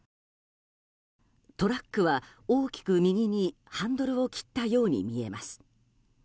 トラックは大きく右にハンドルを切ったように見えます。